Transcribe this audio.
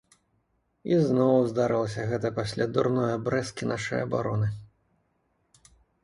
І зноў здарылася гэта пасля дурной абрэзкі нашай абароны.